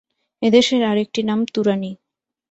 এদেশের আর একটি নাম তুরানী।